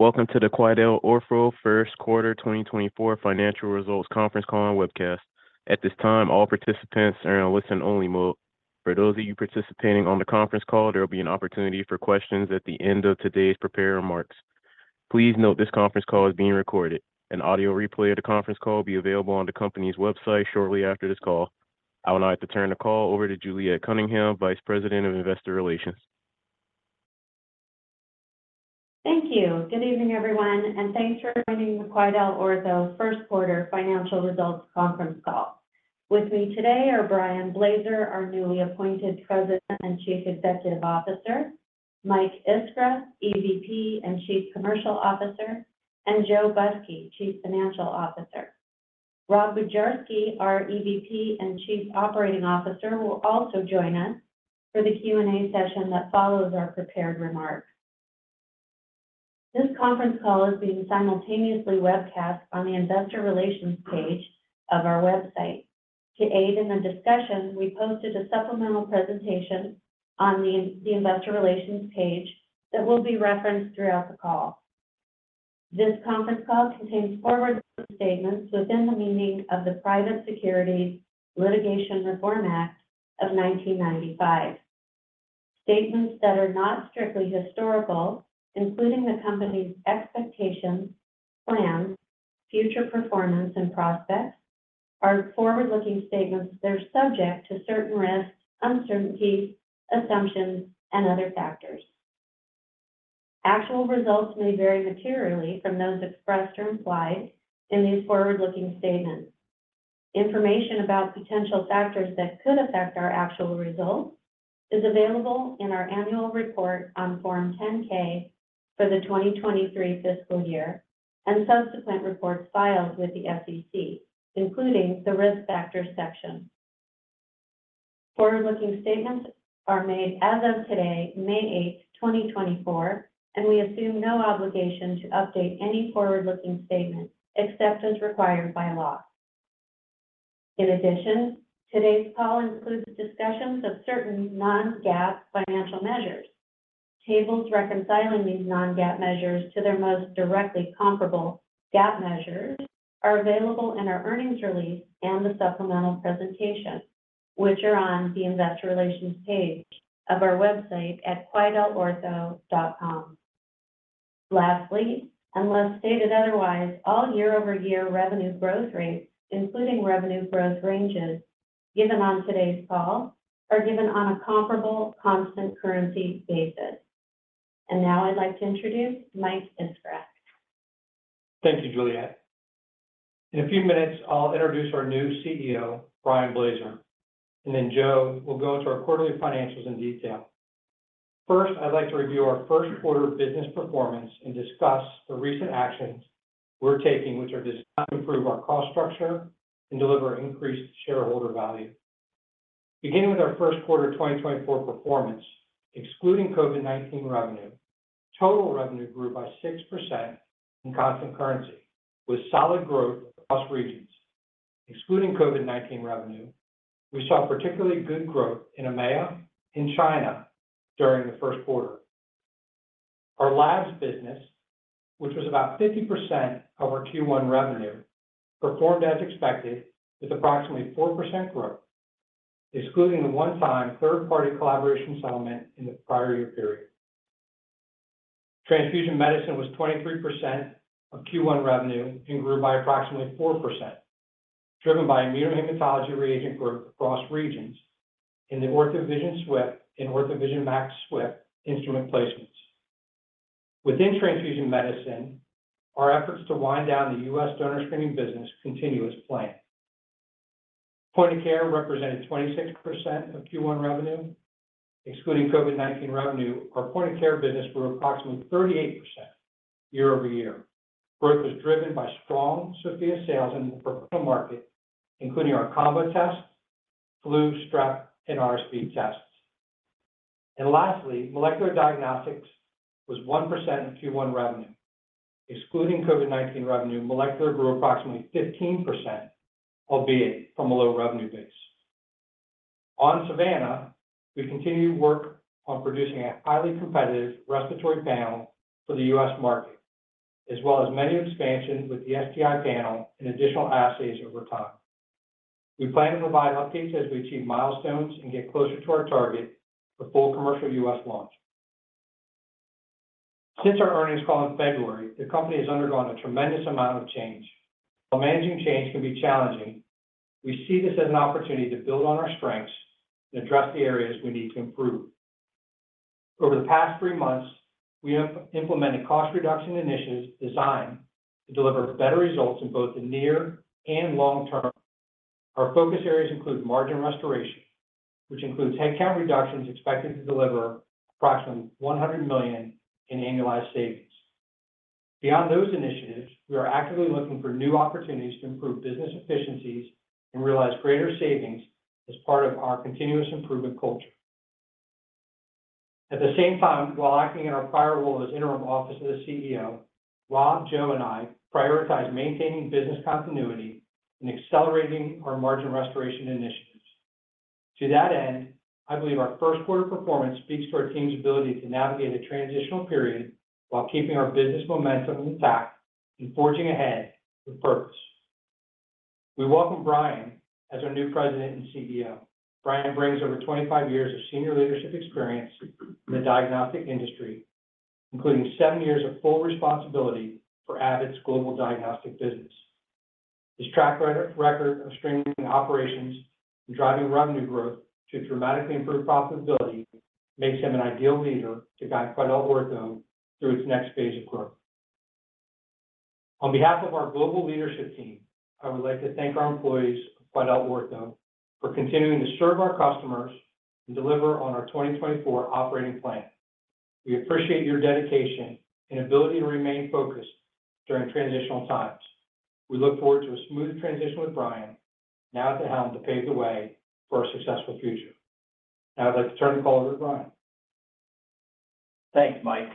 Welcome to the QuidelOrtho first quarter 2024 financial results conference call and Webcast. At this time, all participants are in a listen-only mode. For those of you participating on the conference call, there will be an opportunity for questions at the end of today's prepared remarks. Please note this conference call is being recorded. An audio replay of the conference call will be available on the company's website shortly after this call. I would like to turn the call over to Juliet Cunningham, Vice President of Investor Relations. Thank you. Good evening, everyone, and thanks for joining the QuidelOrtho first quarter financial results conference call. With me today are Brian Blaser, our newly appointed President and Chief Executive Officer; Mike Iskra, EVP and Chief Commercial Officer; and Joe Busky, Chief Financial Officer. Rob Bujarski, our EVP and Chief Operating Officer, will also join us for the Q and A session that follows our prepared remarks. This conference call is being simultaneously webcast on the Investor Relations page of our website. To aid in the discussion, we posted a supplemental presentation on the investor relations page that will be referenced throughout the call. This conference call contains forward statements within the meaning of the Private Securities Litigation Reform Act of 1995. Statements that are not strictly historical, including the company's expectations, plans, future performance, and prospects, are forward-looking statements that are subject to certain risks, uncertainties, assumptions, and other factors. Actual results may vary materially from those expressed or implied in these forward-looking statements. Information about potential factors that could affect our actual results is available in our annual report on Form 10-K for the 2023 fiscal year and subsequent reports filed with the SEC, including the risk factors section. Forward-looking statements are made as of today, May 8, 2024, and we assume no obligation to update any forward-looking statement except as required by law. In addition, today's call includes discussions of certain non-GAAP financial measures. Tables reconciling these non-GAAP measures to their most directly comparable GAAP measures are available in our earnings release and the supplemental presentation, which are on the Investor Relations page of our website at quidelortho.com. Lastly, unless stated otherwise, all year-over-year revenue growth rates, including revenue growth ranges given on today's call, are given on a comparable constant currency basis. Now I'd like to introduce Mike Iskra. Thank you, Juliet. In a few minutes, I'll introduce our new CEO, Brian Blaser, and then Joe will go into our quarterly financials in detail. First, I'd like to review our first quarter business performance and discuss the recent actions we're taking, which are designed to improve our cost structure and deliver increased shareholder value. Beginning with our first quarter 2024 performance, excluding COVID-19 revenue, total revenue grew by 6% in constant currency, with solid growth across regions. Excluding COVID-19 revenue, we saw particularly good growth in EMEA in China during the first quarter. Our labs business, which was about 50% of our Q1 revenue, performed as expected with approximately 4% growth, excluding the one-time third-party collaboration settlement in the prior year period. Transfusion Medicine was 23% of Q1 revenue and grew by approximately 4%, driven by immunohematology reagent growth across regions in the Ortho Vision Swift and Ortho Vision Max Swift instrument placements. Within Transfusion Medicine, our efforts to wind down the U.S. Donor Screening business continue as planned. Point-of-care represented 26% of Q1 revenue. Excluding COVID-19 revenue, our point-of-care business grew approximately 38% year-over-year. Growth was driven by strong Sofia sales in the professional market, including our combo tests, flu, strep, and RSV tests. And lastly, Molecular Diagnostics was 1% of Q1 revenue. Excluding COVID-19 revenue, molecular grew approximately 15%, albeit from a low revenue base. On Savanna, we continue to work on producing a highly competitive respiratory panel for the U.S. market, as well as many expansions with the STI panel and additional assays over time. We plan to provide updates as we achieve milestones and get closer to our target for full commercial U.S. launch. Since our earnings call in February, the company has undergone a tremendous amount of change. While managing change can be challenging, we see this as an opportunity to build on our strengths and address the areas we need to improve. Over the past three months, we implemented cost reduction initiatives designed to deliver better results in both the near and long term. Our focus areas include margin restoration, which includes headcount reductions expected to deliver approximately $100 million in annualized savings. Beyond those initiatives, we are actively looking for new opportunities to improve business efficiencies and realize greater savings as part of our continuous improvement culture. At the same time, while acting in our prior role as interim office of the CEO, Rob, Joe, and I prioritize maintaining business continuity and accelerating our margin restoration initiatives. To that end, I believe our first quarter performance speaks to our team's ability to navigate a transitional period while keeping our business momentum intact and forging ahead with purpose. We welcome Brian as our new president and CEO. Brian brings over 25 years of senior leadership experience in the diagnostic industry, including seven years of full responsibility for Abbott's global diagnostic business. His track record of streamlining operations and driving revenue growth to dramatically improve profitability makes him an ideal leader to guide QuidelOrtho through its next phase of growth. On behalf of our global leadership team, I would like to thank our employees of QuidelOrtho for continuing to serve our customers and deliver on our 2024 operating plan. We appreciate your dedication and ability to remain focused during transitional times. We look forward to a smooth transition with Brian now at the helm to pave the way for a successful future. Now I'd like to turn the call over to Brian. Thanks, Mike.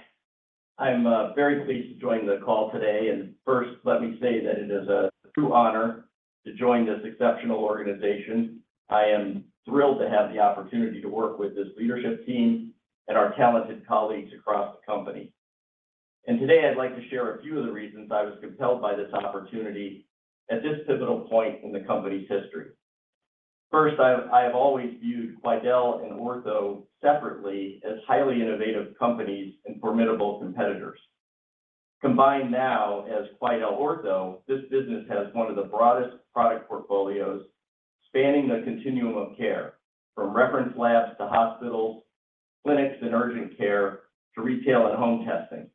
I'm very pleased to join the call today. First, let me say that it is a true honor to join this exceptional organization. I am thrilled to have the opportunity to work with this leadership team and our talented colleagues across the company. Today I'd like to share a few of the reasons I was compelled by this opportunity at this pivotal point in the company's history. First, I have always viewed Quidel and Ortho separately as highly innovative companies and formidable competitors. Combined now as QuidelOrtho, this business has one of the broadest product portfolios, spanning the continuum of care from reference labs to hospitals, clinics and urgent care, to retail and home testing.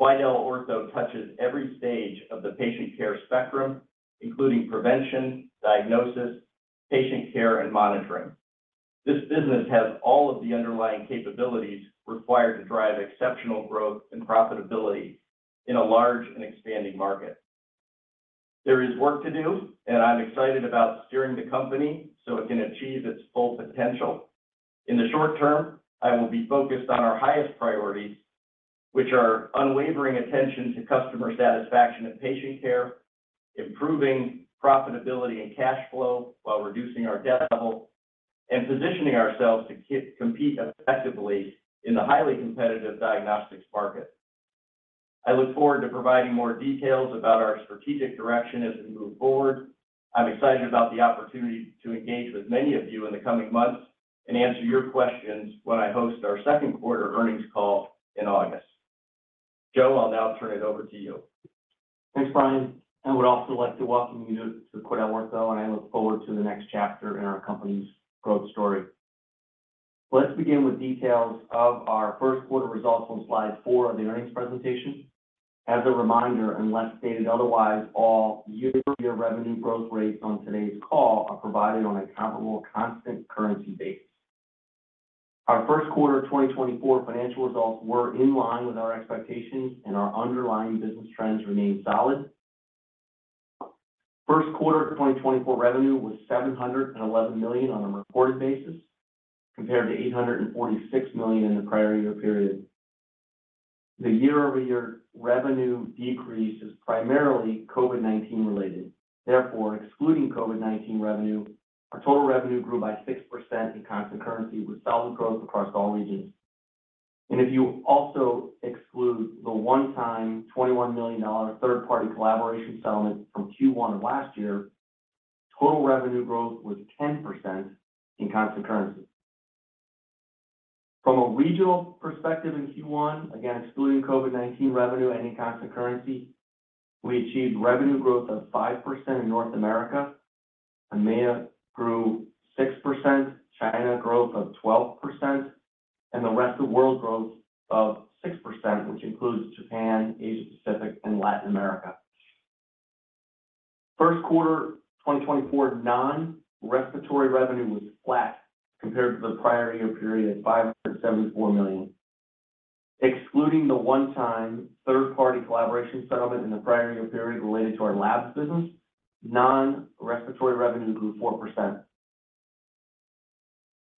QuidelOrtho touches every stage of the patient care spectrum, including prevention, diagnosis, patient care, and monitoring. This business has all of the underlying capabilities required to drive exceptional growth and profitability in a large and expanding market. There is work to do, and I'm excited about steering the company so it can achieve its full potential. In the short term, I will be focused on our highest priorities, which are unwavering attention to customer satisfaction and patient care, improving profitability and cash flow while reducing our debt level, and positioning ourselves to compete effectively in the highly competitive diagnostics market. I look forward to providing more details about our strategic direction as we move forward. I'm excited about the opportunity to engage with many of you in the coming months and answer your questions when I host our second quarter earnings call in August. Joe, I'll now turn it over to you. Thanks, Brian. I would also like to welcome you to QuidelOrtho. I look forward to the next chapter in our company's growth story. Let's begin with details of our first quarter results on slide four of the earnings presentation. As a reminder, unless stated otherwise, all year-over-year revenue growth rates on today's call are provided on a comparable constant currency basis. Our first quarter 2024 financial results were in line with our expectations, and our underlying business trends remain solid. First quarter 2024 revenue was $711 million on a recorded basis, compared to $846 million in the prior year period. The year-over-year revenue decrease is primarily COVID-19 related. Therefore, excluding COVID-19 revenue, our total revenue grew by 6% in constant currency, with solid growth across all regions. If you also exclude the one-time $21 million third-party collaboration settlement from Q1 of last year, total revenue growth was 10% in constant currency. From a regional perspective in Q1, again, excluding COVID-19 revenue and in constant currency, we achieved revenue growth of 5% in North America. EMEA grew 6%, China growth of 12%, and the rest of the world growth of 6%, which includes Japan, Asia-Pacific, and Latin America. First quarter 2024 non-respiratory revenue was flat compared to the prior year period at $574 million. Excluding the one-time third-party collaboration settlement in the prior year period related to our labs business, non-respiratory revenue grew 4%.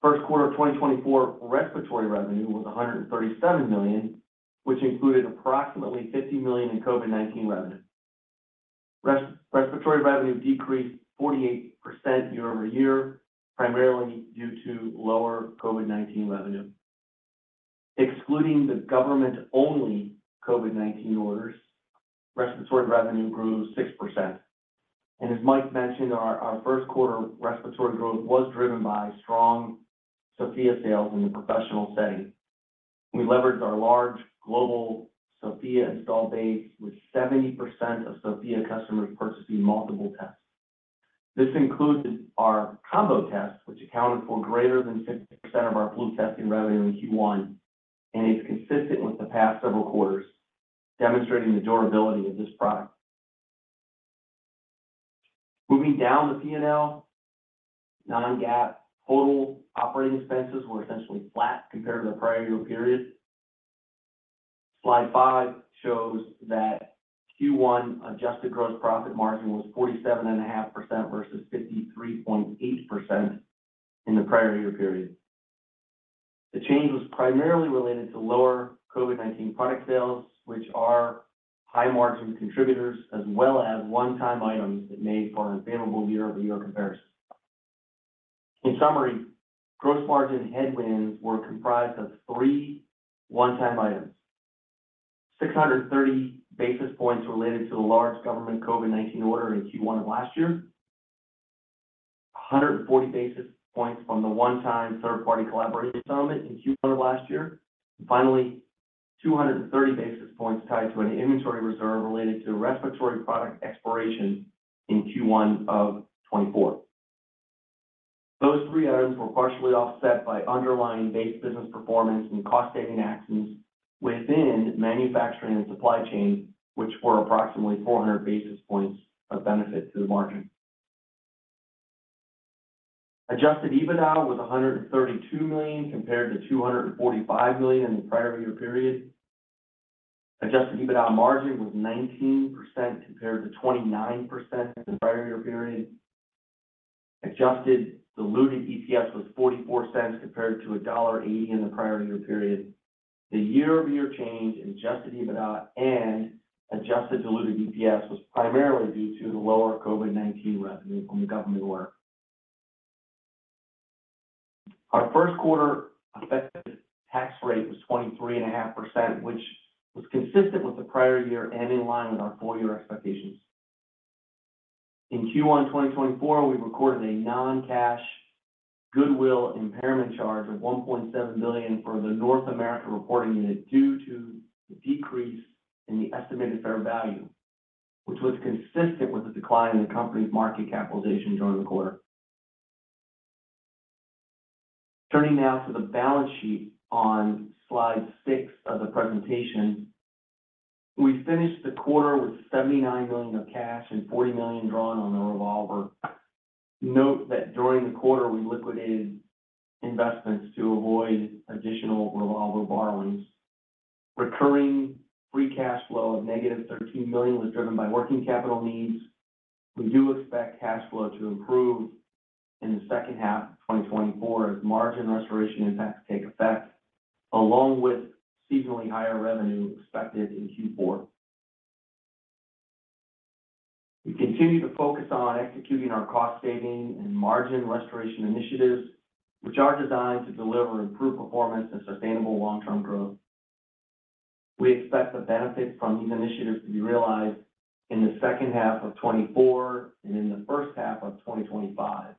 First quarter 2024 respiratory revenue was $137 million, which included approximately $50 million in COVID-19 revenue. Respiratory revenue decreased 48% year-over-year, primarily due to lower COVID-19 revenue. Excluding the government-only COVID-19 orders, respiratory revenue grew 6%. As Mike mentioned, our first quarter respiratory growth was driven by strong Sofia sales in the professional setting. We leveraged our large global Sofia install base, with 70% of Sofia customers purchasing multiple tests. This included our combo test, which accounted for greater than 50% of our flu testing revenue in Q1, and it's consistent with the past several quarters, demonstrating the durability of this product. Moving down the P&L, non-GAAP total operating expenses were essentially flat compared to the prior year period. Slide 5 shows that Q1 adjusted gross profit margin was 47.5% versus 53.8% in the prior year period. The change was primarily related to lower COVID-19 product sales, which are high-margin contributors, as well as one-time items that made for an unfavorable year-over-year comparison. In summary, gross margin headwinds were comprised of three one-time items: 630 basis points related to a large government COVID-19 order in Q1 of last year, 140 basis points from the one-time third-party collaboration settlement in Q1 of last year, and finally, 230 basis points tied to an inventory reserve related to respiratory product expiration in Q1 of 2024. Those three items were partially offset by underlying base business performance and cost-saving actions within manufacturing and supply chain, which were approximately 400 basis points of benefit to the margin. Adjusted EBITDA was $132 million compared to $245 million in the prior year period. Adjusted EBITDA margin was 19% compared to 29% in the prior year period. Adjusted diluted EPS was $0.44 compared to $1.80 in the prior year period. The year-over-year change in adjusted EBITDA and adjusted diluted EPS was primarily due to the lower COVID-19 revenue from the government order. Our first quarter effective tax rate was 23.5%, which was consistent with the prior year and in line with our full year expectations. In Q1 2024, we recorded a non-cash goodwill impairment charge of $1.7 billion for the North America reporting unit due to the decrease in the estimated fair value, which was consistent with the decline in the company's market capitalization during the quarter. Turning now to the balance sheet on slide six of the presentation, we finished the quarter with $79 million of cash and $40 million drawn on the revolver. Note that during the quarter, we liquidated investments to avoid additional revolver borrowings. Recurring free cash flow of negative $13 million was driven by working capital needs. We do expect cash flow to improve in the second half of 2024 as margin restoration impacts take effect, along with seasonally higher revenue expected in Q4. We continue to focus on executing our cost saving and margin restoration initiatives, which are designed to deliver improved performance and sustainable long-term growth. We expect the benefits from these initiatives to be realized in the second half of 2024 and in the first half of 2025,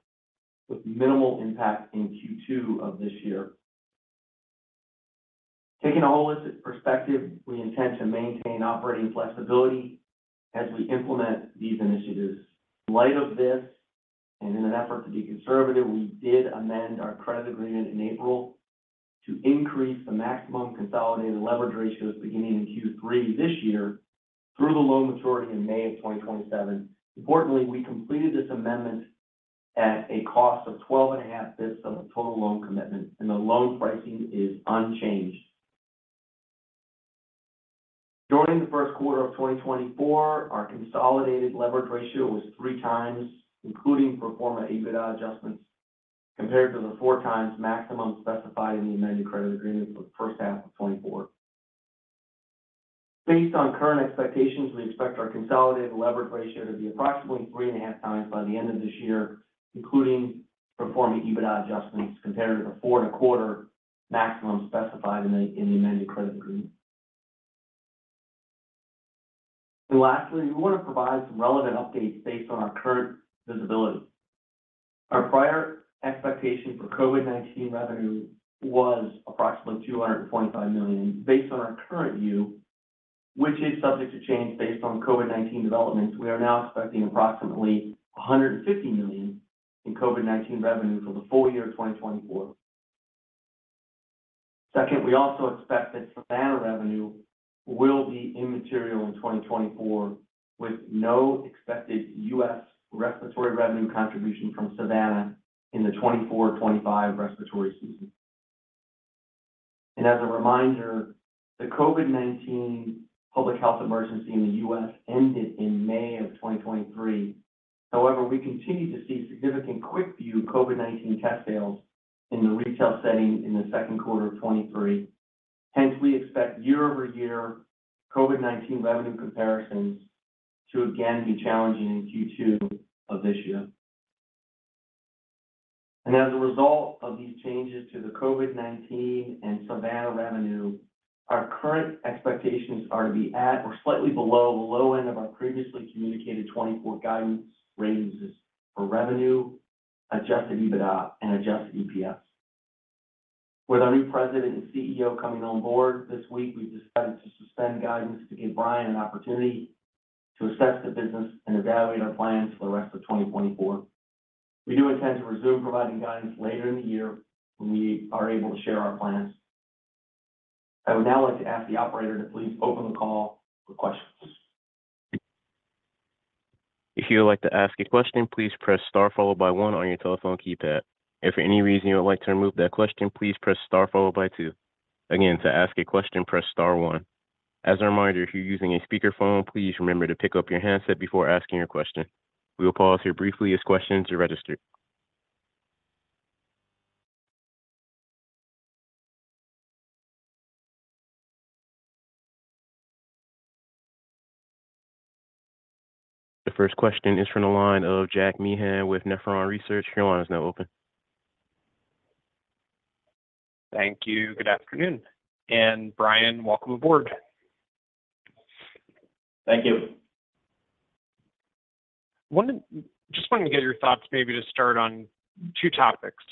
with minimal impact in Q2 of this year. Taking a holistic perspective, we intend to maintain operating flexibility as we implement these initiatives. In light of this and in an effort to be conservative, we did amend our credit agreement in April to increase the maximum consolidated leverage ratios beginning in Q3 this year through the loan maturity in May of 2027. Importantly, we completed this amendment at a cost of 125 basis points of the total loan commitment, and the loan pricing is unchanged. During the first quarter of 2024, our consolidated leverage ratio was 3x, including pro forma EBITDA adjustments, compared to the 4x maximum specified in the amended credit agreement for the first half of 2024. Based on current expectations, we expect our consolidated leverage ratio to be approximately 3.5x by the end of this year, including pro forma EBITDA adjustments compared to the 4.25 maximum specified in the amended credit agreement. And lastly, we want to provide some relevant updates based on our current visibility. Our prior expectation for COVID-19 revenue was approximately $225 million. Based on our current view, which is subject to change based on COVID-19 developments, we are now expecting approximately $150 million in COVID-19 revenue for the full year of 2024. Second, we also expect that Savanna revenue will be immaterial in 2024, with no expected U.S. respiratory revenue contribution from Savanna in the 2024-2025 respiratory season. As a reminder, the COVID-19 public health emergency in the US ended in May of 2023. However, we continue to see significant QUICKVUE COVID-19 test sales in the retail setting in the second quarter of 2023. Hence, we expect year-over-year COVID-19 revenue comparisons to again be challenging in Q2 of this year. As a result of these changes to the COVID-19 and Savanna revenue, our current expectations are to be at or slightly below the low end of our previously communicated 2024 guidance ranges for revenue, adjusted EBITDA, and adjusted EPS. With our new President and CEO coming on board this week, we've decided to suspend guidance to give Brian an opportunity to assess the business and evaluate our plans for the rest of 2024. We do intend to resume providing guidance later in the year when we are able to share our plans. I would now like to ask the operator to please open the call for questions. If you would like to ask a question, please press star followed by one on your telephone keypad. If for any reason you would like to remove that question, please press star followed by two. Again, to ask a question, press star one. As a reminder, if you're using a speakerphone, please remember to pick up your handset before asking your question. We will pause here briefly as questions are registered. The first question is from the line of Jack Meehan with Nephron Research. Your line is now open. Thank you. Good afternoon. Brian, welcome aboard. Thank you. Just wanted to get your thoughts maybe to start on two topics.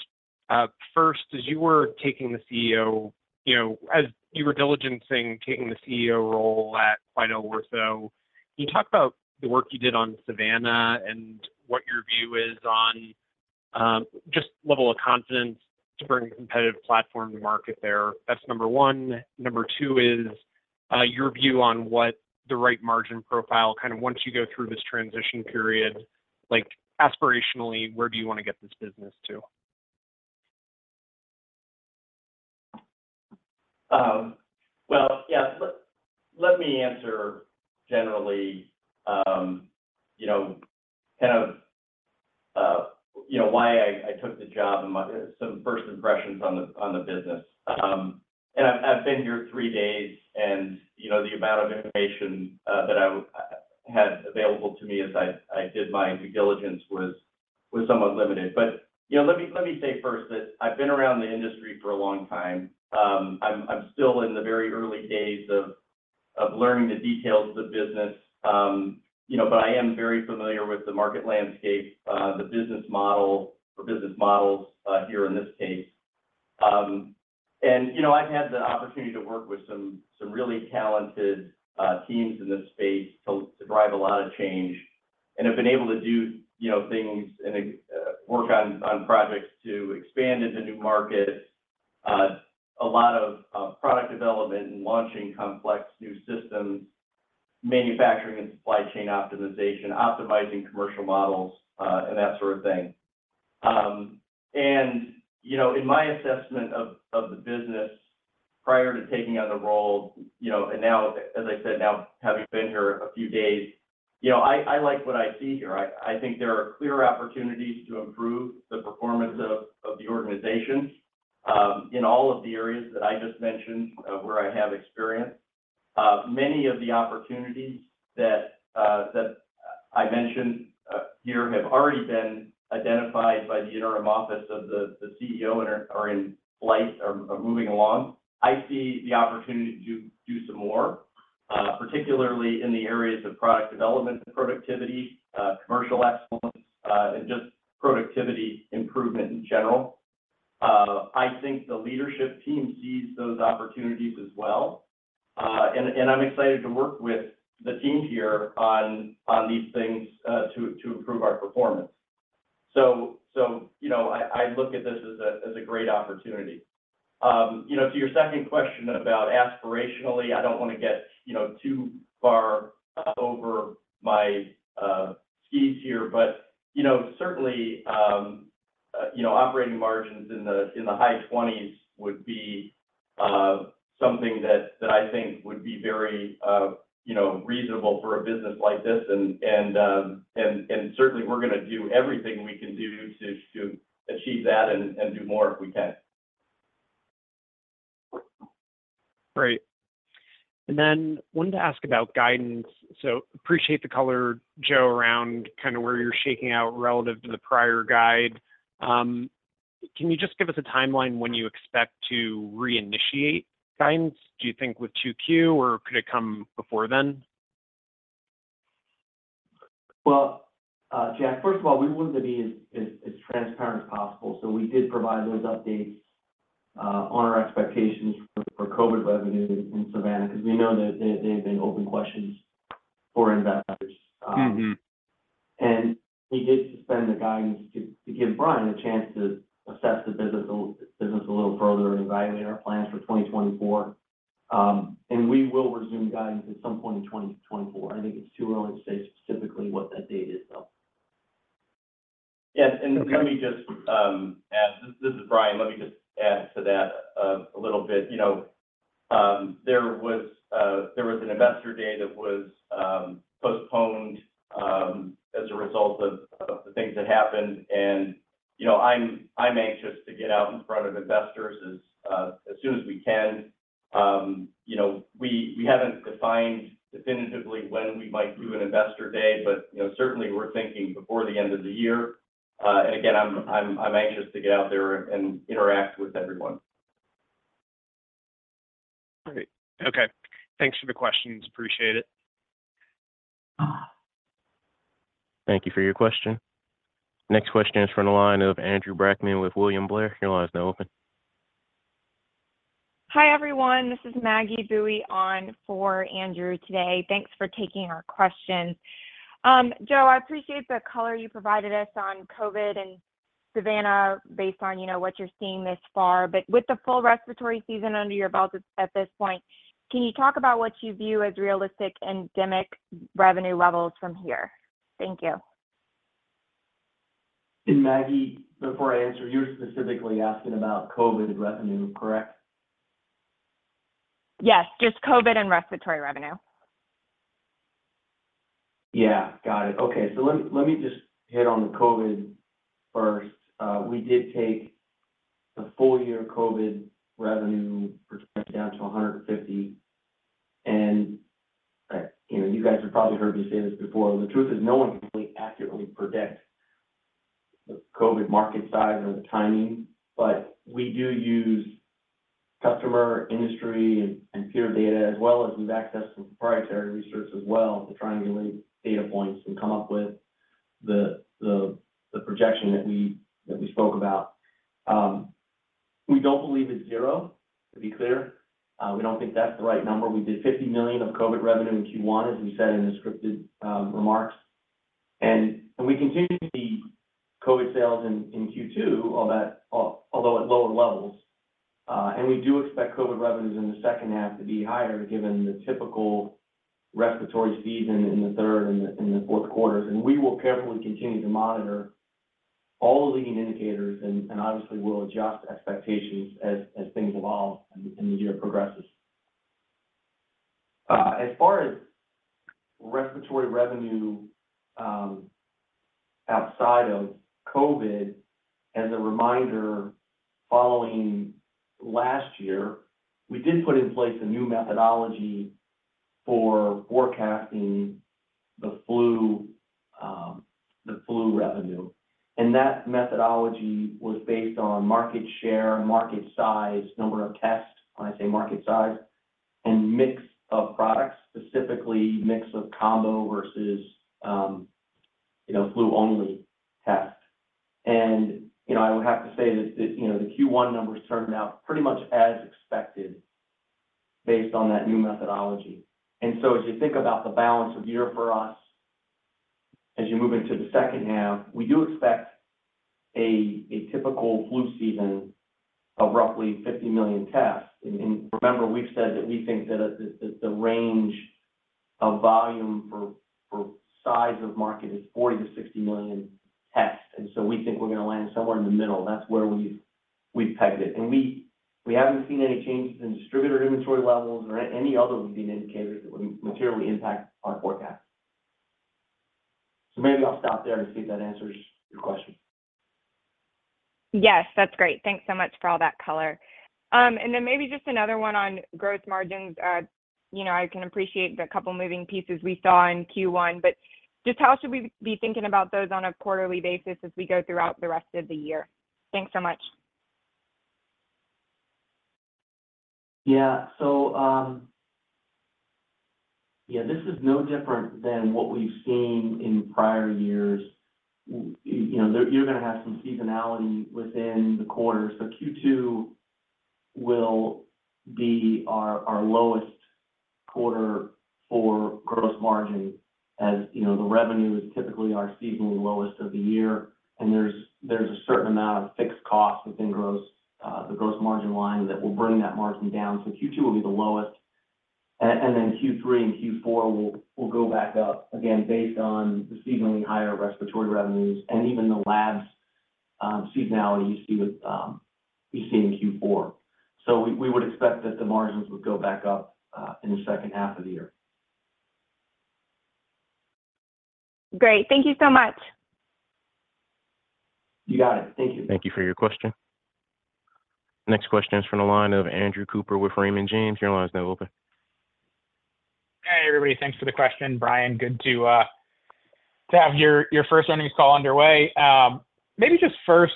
First, as you were taking the CEO as you were diligencing taking the CEO role at QuidelOrtho. Can you talk about the work you did on Savanna and what your view is on just level of confidence to bring a competitive platform to market there? That's number one. Number two is your view on what the right margin profile kind of once you go through this transition period, aspirationally, where do you want to get this business to? Well, yeah, let me answer generally kind of why I took the job and some first impressions on the business. I've been here three days, and the amount of information that I had available to me as I did my due diligence was somewhat limited. Let me say first that I've been around the industry for a long time. I'm still in the very early days of learning the details of the business, but I am very familiar with the market landscape, the business model or business models here in this case. And I've had the opportunity to work with some really talented teams in this space to drive a lot of change and have been able to do things and work on projects to expand into new markets, a lot of product development and launching complex new systems, manufacturing and supply chain optimization, optimizing commercial models, and that sort of thing. And in my assessment of the business prior to taking on the role and now, as I said, now having been here a few days, I like what I see here. I think there are clear opportunities to improve the performance of the organization in all of the areas that I just mentioned where I have experience. Many of the opportunities that I mentioned here have already been identified by the interim office of the CEO and are in flight or moving along. I see the opportunity to do some more, particularly in the areas of product development, productivity, commercial excellence, and just productivity improvement in general. I think the leadership team sees those opportunities as well. I'm excited to work with the team here on these things to improve our performance. I look at this as a great opportunity. To your second question about aspirationally, I don't want to get too far over my skis here, but certainly, operating margins in the high 20s would be something that I think would be very reasonable for a business like this. Certainly, we're going to do everything we can do to achieve that and do more if we can. Great. Wanted to ask about guidance. Appreciate the color, Joe, around kind of where you're shaking out relative to the prior guide. Can you just give us a timeline when you expect to reinitiate guidance? Do you think with 2Q, or could it come before then? Well, Jack, first of all, we wanted to be as transparent as possible. So we did provide those updates on our expectations for COVID revenue in Savanna because we know that they've been open questions for investors. And we did suspend the guidance to give Brian a chance to assess the business a little further and evaluate our plans for 2024. And we will resume guidance at some point in 2024. I think it's too early to say specifically what that date is, though. Yeah. And let me just add, this is Brian. Let me just add to that a little bit. There was an investor day that was postponed as a result of the things that happened. And I'm anxious to get out in front of investors as soon as we can. We haven't defined definitively when we might do an investor day, but certainly, we're thinking before the end of the year. And again, I'm anxious to get out there and interact with everyone. Great. Okay. Thanks for the questions. Appreciate it. Thank you for your question. Next question is from the line of Andrew Brackmann with William Blair. Your line is now open. Hi, everyone. This is Maggie Boeye on for Andrew today. Thanks for taking our questions. Joe, I appreciate the color you provided us on COVID and Savanna based on what you're seeing thus far. But with the full respiratory season under your belt at this point, can you talk about what you view as realistic endemic revenue levels from here? Thank you. Maggie, before I answer, you're specifically asking about COVID revenue, correct? Yes. Just COVID and respiratory revenue. Yeah. Got it. Okay. So let me just hit on the COVID first. We did take the full-year COVID revenue percentage down to 150%. And you guys have probably heard me say this before. The truth is, no one can really accurately predict the COVID market size or the timing. But we do use customer, industry, and peer data, as well as we've accessed some proprietary research as well to triangulate data points and come up with the projection that we spoke about. We don't believe it's zero, to be clear. We don't think that's the right number. We did $50 million of COVID revenue in Q1, as we said in the scripted remarks. And we continue to see COVID sales in Q2, although at lower levels. We do expect COVID revenues in the second half to be higher given the typical respiratory season in the third and the fourth quarters. And we will carefully continue to monitor all leading indicators, and obviously, we'll adjust expectations as things evolve and the year progresses. As far as respiratory revenue outside of COVID, as a reminder, following last year, we did put in place a new methodology for forecasting the flu revenue. And that methodology was based on market share, market size, number of tests when I say market size, and mix of products, specifically mix of combo versus flu-only tests. And I would have to say that the Q1 numbers turned out pretty much as expected based on that new methodology. And so as you think about the balance of year for us as you move into the second half, we do expect a typical flu season of roughly 50 million tests. And remember, we've said that we think that the range of volume for size of market is 40-60 million tests. And so we think we're going to land somewhere in the middle. That's where we've pegged it. And we haven't seen any changes in distributor inventory levels or any other leading indicators that would materially impact our forecasts. So maybe I'll stop there and see if that answers your question. Yes. That's great. Thanks so much for all that color. Then maybe just another one on growth margins. I can appreciate the couple of moving pieces we saw in Q1, but just how should we be thinking about those on a quarterly basis as we go throughout the rest of the year? Thanks so much. Yeah. So yeah, this is no different than what we've seen in prior years. You're going to have some seasonality within the quarter. Q2 will be our lowest quarter for gross margin as the revenue is typically our seasonally lowest of the year. And there's a certain amount of fixed costs within the gross margin line that will bring that margin down. So Q2 will be the lowest. And then Q3 and Q4 will go back up, again, based on the seasonally higher respiratory revenues and even the labs seasonality you see in Q4. So we would expect that the margins would go back up in the second half of the year. Great. Thank you so much. You got it. Thank you. Thank you for your question. Next question is from the line of Andrew Cooper with Raymond James. Your line is now open. Hey, everybody. Thanks for the question, Brian. Good to have your first earnings call underway. Maybe just first,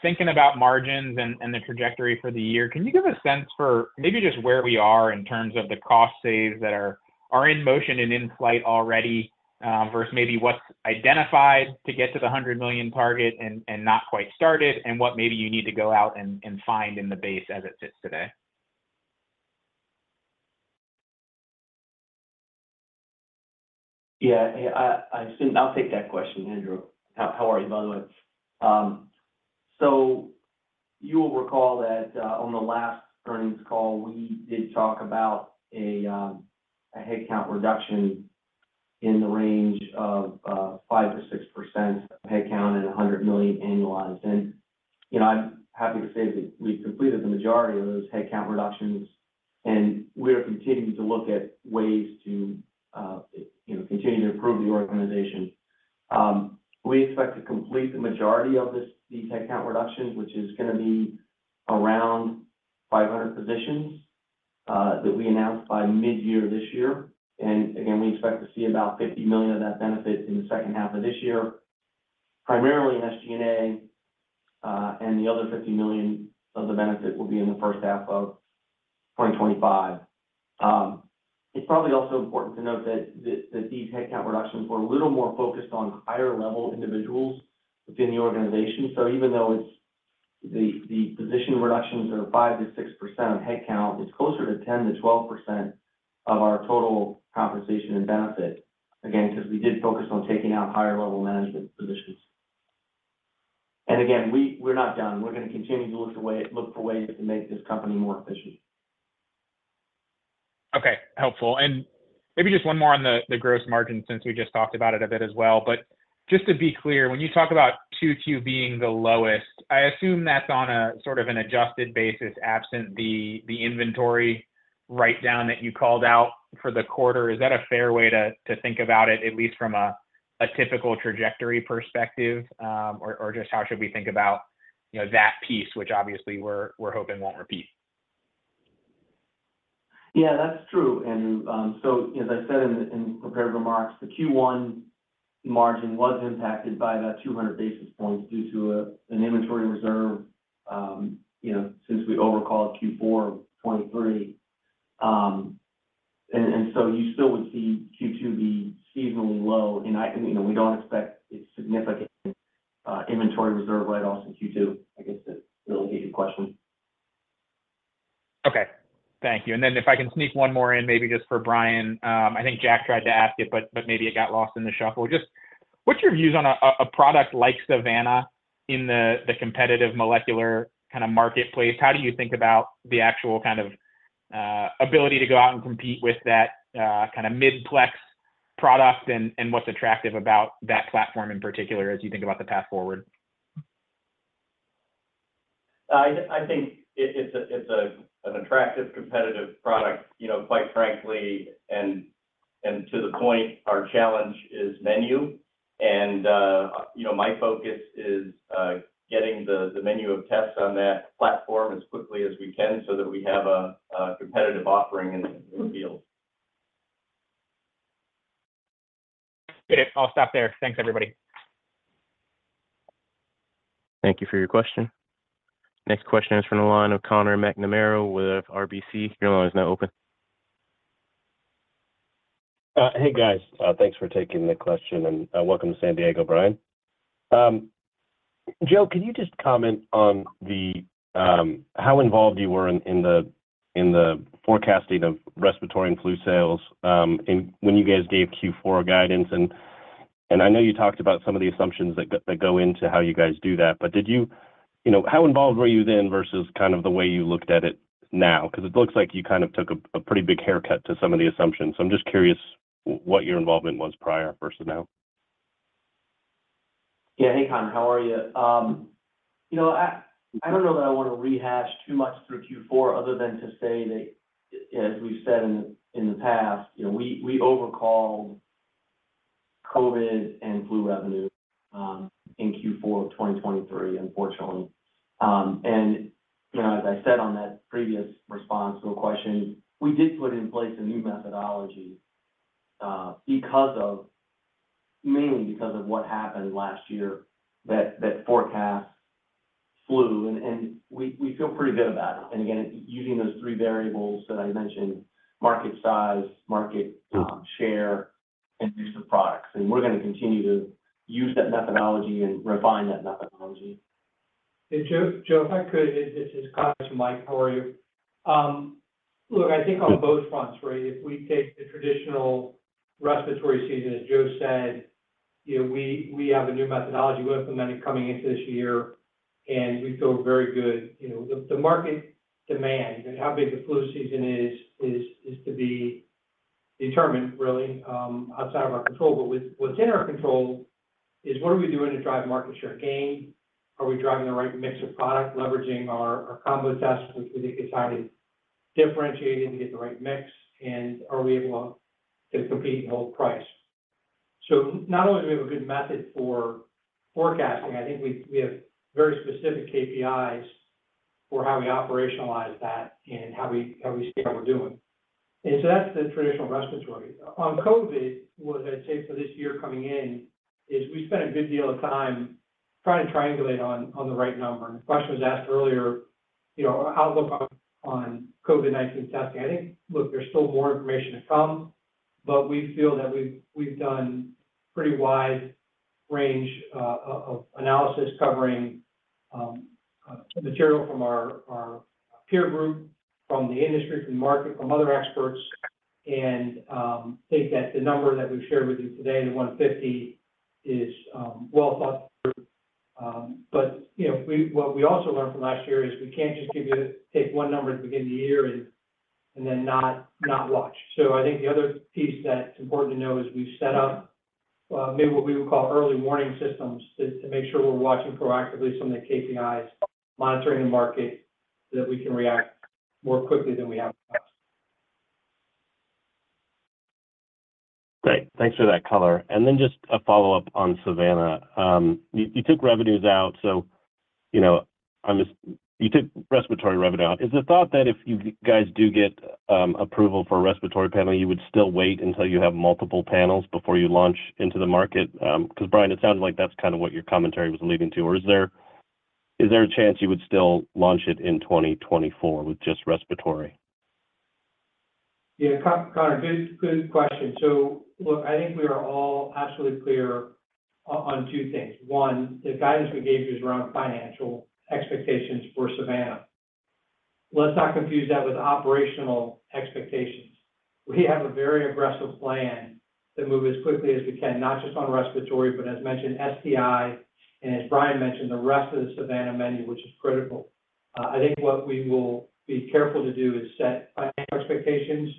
thinking about margins and the trajectory for the year, can you give a sense for maybe just where we are in terms of the cost saves that are in motion and in flight already versus maybe what's identified to get to the $100 million target and not quite started and what maybe you need to go out and find in the base as it sits today? Yeah. I'll take that question, Andrew. How are you, by the way? So you will recall that on the last earnings call, we did talk about a headcount reduction in the range of 5%-6% headcount and $100 million annualized. And I'm happy to say that we've completed the majority of those headcount reductions, and we are continuing to look at ways to continue to improve the organization. We expect to complete the majority of these headcount reductions, which is going to be around 500 positions that we announced by mid-year this year. And again, we expect to see about $50 million of that benefit in the second half of this year, primarily in SG&A. And the other $50 million of the benefit will be in the first half of 2025. It's probably also important to note that these headcount reductions were a little more focused on higher-level individuals within the organization. So even though the position reductions are 5%-6% of headcount, it's closer to 10%-12% of our total compensation and benefit, again, because we did focus on taking out higher-level management positions. And again, we're not done. We're going to continue to look for ways to make this company more efficient. Okay. Helpful. And maybe just one more on the gross margin since we just talked about it a bit as well. But just to be clear, when you talk about 2Q being the lowest, I assume that's on a sort of an adjusted basis, absent the inventory write-down that you called out for the quarter. Is that a fair way to think about it, at least from a typical trajectory perspective, or just how should we think about that piece, which obviously, we're hoping won't repeat? Yeah, that's true. And so as I said in the prepared remarks, the Q1 margin was impacted by about 200 basis points due to an inventory reserve since we overcalled Q4 of 2023. And so you still would see Q2 be seasonally low. And we don't expect a significant inventory reserve write-offs in Q2, I guess, to really hit your question. Okay. Thank you. And then if I can sneak one more in, maybe just for Brian. I think Jack tried to ask it, but maybe it got lost in the shuffle. What's your views on a product like Savanna in the competitive molecular kind of marketplace? How do you think about the actual kind of ability to go out and compete with that kind of mid-plex product and what's attractive about that platform in particular as you think about the path forward? I think it's an attractive, competitive product, quite frankly. And to the point, our challenge is menu. And my focus is getting the menu of tests on that platform as quickly as we can so that we have a competitive offering in the field. Good. I'll stop there. Thanks, everybody. Thank you for your question. Next question is from the line of Connor McNamara with RBC. Your line is now open. Hey, guys. Thanks for taking the question. Welcome to San Diego, Brian. Joe, can you just comment on how involved you were in the forecasting of respiratory and flu sales when you guys gave Q4 guidance? And I know you talked about some of the assumptions that go into how you guys do that, but how involved were you then versus kind of the way you looked at it now? Because it looks like you kind of took a pretty big haircut to some of the assumptions. So I'm just curious what your involvement was prior versus now? Yeah. Hey, Conn, how are you? I don't know that I want to rehash too much through Q4 other than to say that, as we've said in the past, we overcalled COVID and flu revenue in Q4 of 2023, unfortunately. And as I said on that previous response to the question, we did put in place a new methodology mainly because of what happened last year that forecast flu. And we feel pretty good about it. And again, using those three variables that I mentioned, market size, market share, and mix of products. And we're going to continue to use that methodology and refine that methodology. And Joe, if I could, this is Mike for you. Look, I think on both fronts, right, if we take the traditional respiratory season, as Joe said, we have a new methodology we're implementing coming into this year, and we feel very good. The market demand, how big the flu season is, is to be determined, really, outside of our control. But what's in our control is what are we doing to drive market share gain? Are we driving the right mix of product, leveraging our combo tests, which we think is highly differentiated to get the right mix? And are we able to compete and hold price? So not only do we have a good method for forecasting, I think we have very specific KPIs for how we operationalize that and how we see how we're doing. And so that's the traditional respiratory. On COVID, what I'd say for this year coming in is we spent a good deal of time trying to triangulate on the right number. The question was asked earlier, outlook on COVID-19 testing. I think, look, there's still more information to come, but we feel that we've done a pretty wide range of analysis covering material from our peer group, from the industry, from the market, from other experts. And I think that the number that we've shared with you today, the 150, is well thought through. But what we also learned from last year is we can't just take one number at the beginning of the year and then not watch. So I think the other piece that's important to know is we've set up maybe what we would call early warning systems to make sure we're watching proactively some of the KPIs, monitoring the market so that we can react more quickly than we have in the past. Great. Thanks for that color. And then just a follow-up on Savanna. You took revenues out. So you took respiratory revenue out. Is the thought that if you guys do get approval for a respiratory panel, you would still wait until you have multiple panels before you launch into the market? Because, Brian, it sounded like that's kind of what your commentary was leading to. Or is there a chance you would still launch it in 2024 with just respiratory? Yeah, Connor, good question. So look, I think we are all absolutely clear on two things. One, the guidance we gave you is around financial expectations for Savanna. Let's not confuse that with operational expectations. We have a very aggressive plan to move as quickly as we can, not just on respiratory, but as mentioned, STI, and as Brian mentioned, the rest of the Savanna menu, which is critical. I think what we will be careful to do is set financial expectations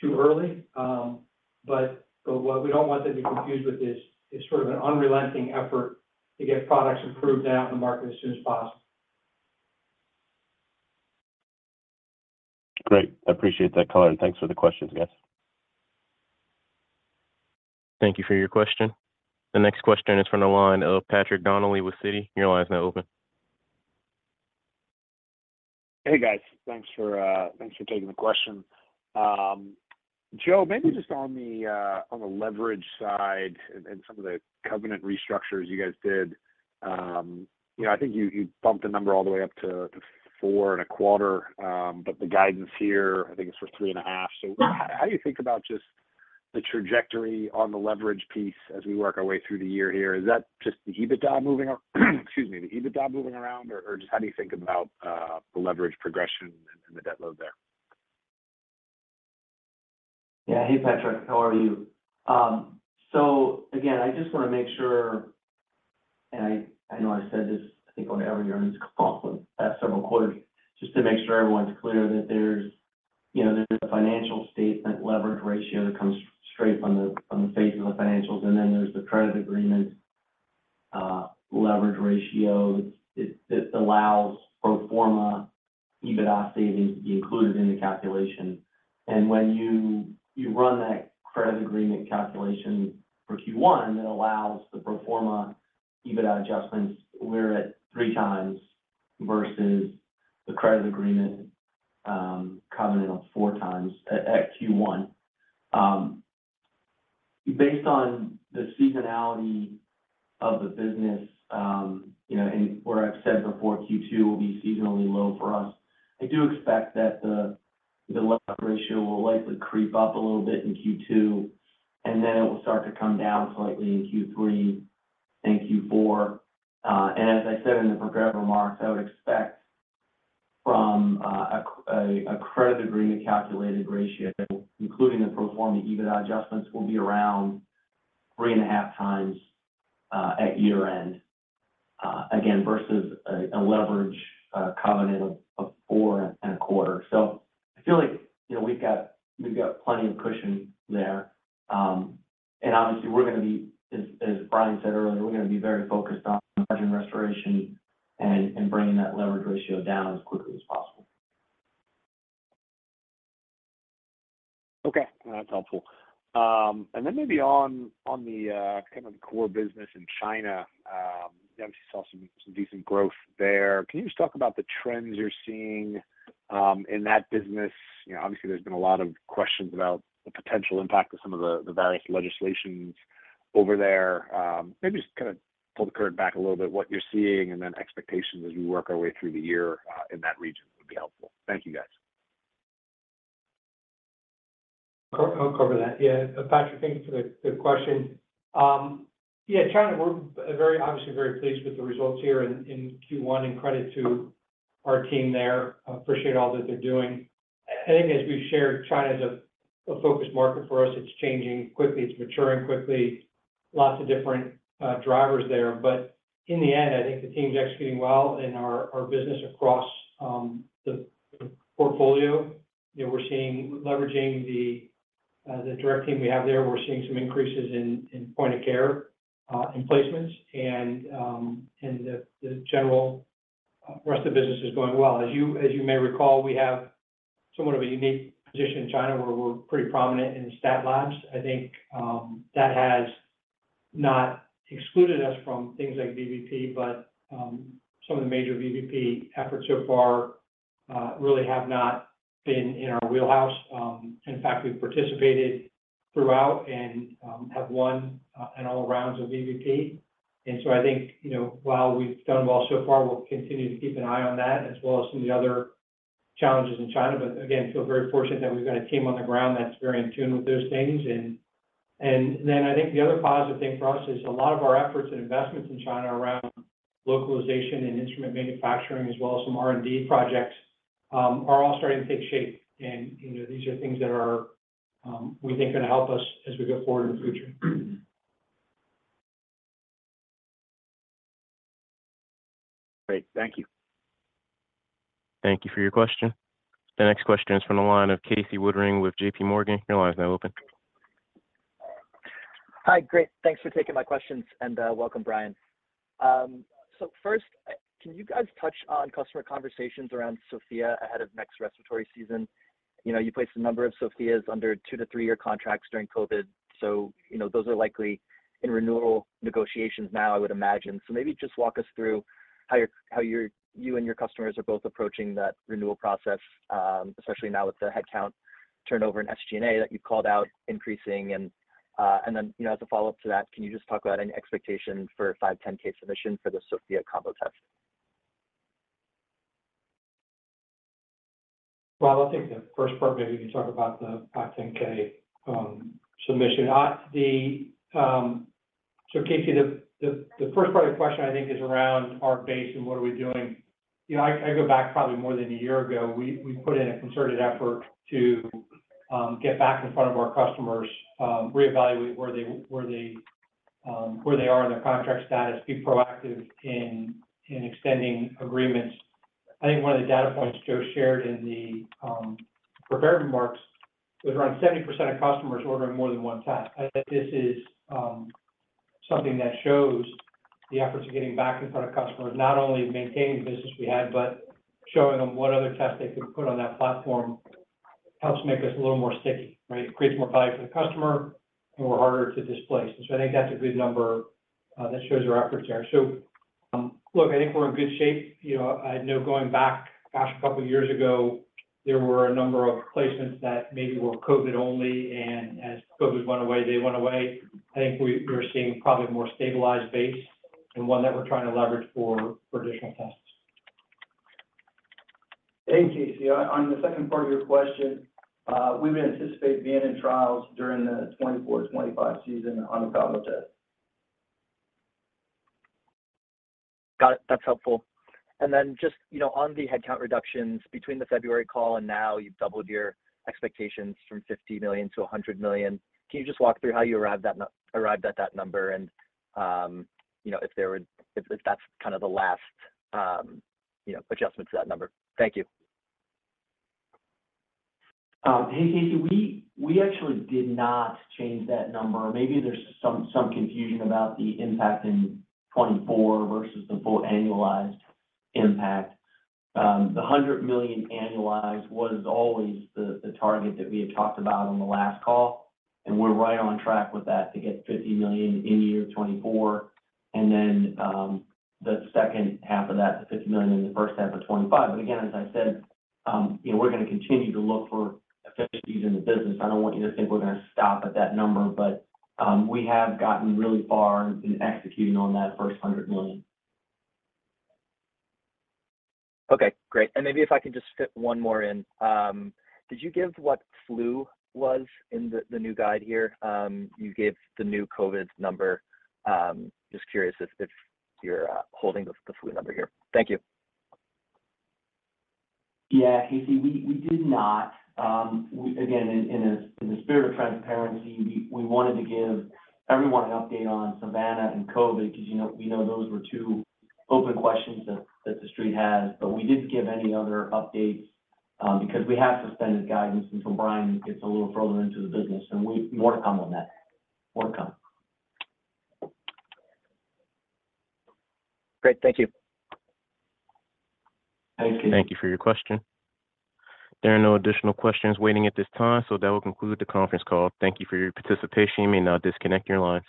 too early. But what we don't want them to be confused with is sort of an unrelenting effort to get products approved and out in the market as soon as possible. Great. I appreciate that color. And thanks for the questions, guys. Thank you for your question. The next question is from the line of Patrick Donnelly with Citi. Your line is now open. Hey, guys. Thanks for taking the question. Joe, maybe just on the leverage side and some of the covenant restructures you guys did. I think you bumped the number all the way up to 4.25, but the guidance here, I think it's for 3.5. So how do you think about just the trajectory on the leverage piece as we work our way through the year here? Is that just the EBITDA moving excuse me, the EBITDA moving around, or just how do you think about the leverage progression and the debt load there? Yeah. Hey, Patrick. How are you? So again, I just want to make sure and I know I said this, I think, on every earnings call the past several quarters, just to make sure everyone's clear that there's a financial statement leverage ratio that comes straight from the face of the financials. And then there's the credit agreement leverage ratio that allows pro forma EBITDA savings to be included in the calculation. And when you run that credit agreement calculation for Q1, that allows the pro forma EBITDA adjustments, we're at 3x versus the credit agreement covenant of 4x at Q1. Based on the seasonality of the business and where I've said before, Q2 will be seasonally low for us, I do expect that the leverage ratio will likely creep up a little bit in Q2, and then it will start to come down slightly in Q3 and Q4. And as I said in the prepared remarks, I would expect from a credit agreement calculated ratio, including the pro forma EBITDA adjustments, will be around 3.5x at year-end, again, versus a leverage covenant of 4.25. So I feel like we've got plenty of cushion there. And obviously, we're going to be as Brian said earlier, we're going to be very focused on margin restoration and bringing that leverage ratio down as quickly as possible. Okay. That's helpful. And then maybe on the kind of the core business in China, we obviously saw some decent growth there. Can you just talk about the trends you're seeing in that business? Obviously, there's been a lot of questions about the potential impact of some of the various legislations over there. Maybe just kind of pull the curtain back a little bit, what you're seeing, and then expectations as we work our way through the year in that region would be helpful. Thank you, guys. I'll cover that. Yeah. Patrick, thank you for the question. Yeah, China, we're obviously very pleased with the results here in Q1 and credit to our team there. Appreciate all that they're doing. I think as we've shared, China is a focused market for us. It's changing quickly. It's maturing quickly. Lots of different drivers there. But in the end, I think the team's executing well in our business across the portfolio. We're seeing, leveraging the direct team we have there, we're seeing some increases in point-of-care emplacements. And the general rest of the business is going well. As you may recall, we have somewhat of a unique position in China where we're pretty prominent in the stat labs. I think that has not excluded us from things like VBP, but some of the major VBP efforts so far really have not been in our wheelhouse. In fact, we've participated throughout and have won in all rounds of VBP. And so I think while we've done well so far, we'll continue to keep an eye on that as well as some of the other challenges in China. But again, feel very fortunate that we've got a team on the ground that's very in tune with those things. And then I think the other positive thing for us is a lot of our efforts and investments in China around localization and instrument manufacturing, as well as some R&D projects, are all starting to take shape. And these are things that we think are going to help us as we go forward in the future. Great. Thank you. Thank you for your question. The next question is from the line of Casey Woodring with J.P. Morgan. Your line is now open. Hi. Great. Thanks for taking my questions. And welcome, Brian. So first, can you guys touch on customer conversations around Sofia ahead of next respiratory season? You placed a number of Sofia under two-to-three-year contracts during COVID. So those are likely in renewal negotiations now, I would imagine. So maybe just walk us through how you and your customers are both approaching that renewal process, especially now with the headcount turnover and SG&A that you've called out increasing. And then as a follow-up to that, can you just talk about any expectation for 510(k) submission for the Sofia combo test? Well, I think the first part, maybe you can talk about the 510(k) submission. So Casey, the first part of the question, I think, is around our base and what are we doing. I go back probably more than a year ago. We put in a concerted effort to get back in front of our customers, reevaluate where they are in their contract status, be proactive in extending agreements. I think one of the data points Joe shared in the prepared remarks was around 70% of customers ordering more than one test. I think this is something that shows the efforts of getting back in front of customers, not only maintaining the business we had, but showing them what other tests they could put on that platform helps make us a little more sticky, right? It creates more value for the customer, and we're harder to displace. So I think that's a good number that shows our efforts there. Look, I think we're in good shape. I know going back, gosh, a couple of years ago, there were a number of placements that maybe were COVID-only, and as COVID went away, they went away. I think we're seeing probably a more stabilized base and one that we're trying to leverage for additional tests. And Casey, on the second part of your question, we would anticipate being in trials during the 2024-2025 season on the combo test. Got it. That's helpful. Then just on the headcount reductions between the February call and now, you've doubled your expectations from $50 million to $100 million. Can you just walk through how you arrived at that number and if that's kind of the last adjustment to that number? Thank you. Hey, Casey, we actually did not change that number. Maybe there's some confusion about the impact in 2024 versus the full annualized impact. The $100 million annualized was always the target that we had talked about on the last call, and we're right on track with that to get $50 million in year 2024 and then the second half of that, the $50 million in the first half of 2025. But again, as I said, we're going to continue to look for efficiencies in the business. I don't want you to think we're going to stop at that number, but we have gotten really far in executing on that first $100 million. Okay. Great. And maybe if I can just fit one more in, did you give what flu was in the new guide here? You gave the new COVID number. Just curious if you're holding the flu number here? Thank you. Yeah, Casey, we did not. Again, in the spirit of transparency, we wanted to give everyone an update on Savanna and COVID because we know those were two open questions that the street has. But we didn't give any other updates because we have suspended guidance until Brian gets a little further into the business. And more to come on that. More to come. Great. Thank you. Thanks, Casey. Thank you for your question. There are no additional questions waiting at this time, so that will conclude the conference call. Thank you for your participation. You may now disconnect your line.